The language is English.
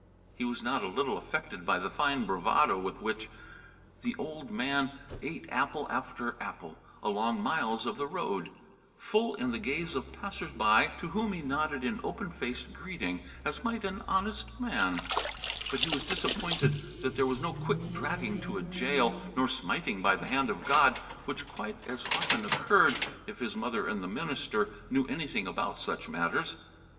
He was not a little affected by the fine bravado with which the old man ate apple after apple along miles of the road, full in the gaze of passersby, to whom he nodded in open faced greeting, as might an honest man; but he was disappointed that there was no quick dragging to a jail, nor smiting by the hand of God, which quite as often occurred, if his mother and the minister knew anything about such matters.